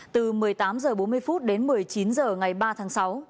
từ một mươi tám h bốn mươi đến một mươi chín h ngày ba tháng sáu